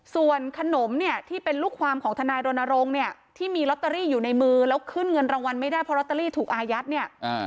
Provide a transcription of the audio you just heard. ส่วนขนมเนี่ยที่เป็นลูกความของทนายรณรงค์เนี่ยที่มีลอตเตอรี่อยู่ในมือแล้วขึ้นเงินรางวัลไม่ได้เพราะลอตเตอรี่ถูกอายัดเนี่ย